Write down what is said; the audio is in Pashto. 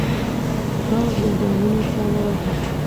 هغه ګلدانونو ته ورغی.